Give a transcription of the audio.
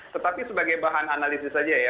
tetapi sebagai bahan analisis saja ya